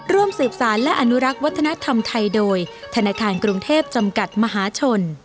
ร่วมสืบสารและอนุรักษ์วัฒนธรรมไทยโดยธนาคารกรุงเทพจำกัดมหาชน